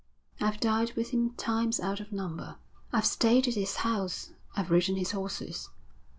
I've dined with him times out of number; I've stayed at his house; I've ridden his horses.